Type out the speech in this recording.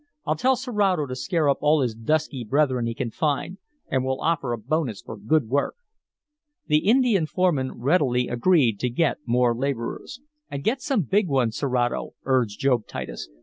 I'll tell Serato to scare up all his dusky brethren he can find, and we'll offer a bonus for good work." The Indian foreman readily agreed to get more laborers. "And get some big ones, Serato," urged Job Titus.